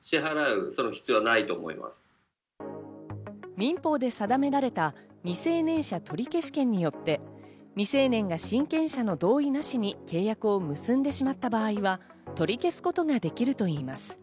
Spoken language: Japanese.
民法で定められた未成年者取消権によって未成年が親権者の同意なしに契約を結んでしまった場合は取り消すことができるといいます。